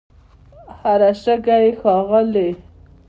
هر شګه یې ښاغلې